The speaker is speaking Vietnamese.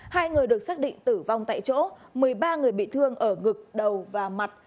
hai người được xác định tử vong tại chỗ một mươi ba người bị thương ở ngực đầu và mặt